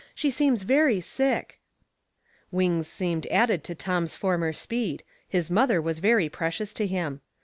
She seems very sick." Wings seemed added to Tom's former speed , his mother was very precious to him.